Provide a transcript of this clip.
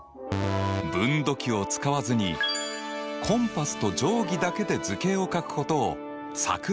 分度器を使わずにコンパスと定規だけで図形を書くことを「作図」というんだよ。